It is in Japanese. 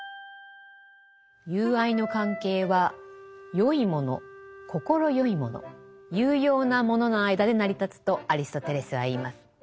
友愛の関係は善いもの快いもの有用なものの間で成り立つとアリストテレスは言います。